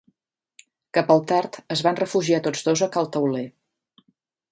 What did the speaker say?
Cap al tard es van refugiar tots dos a cal Tauler.